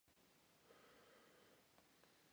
A reply was again made in the Eskimo.